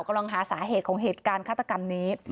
กำลังหาสาเหตุของเหตุการณ์ฆาตกรรมนี้